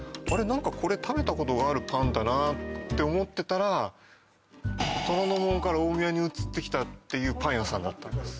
何かこれ食べたことがあるパンだなあって思ってたら虎ノ門から大宮に移ってきたっていうパン屋さんだったんです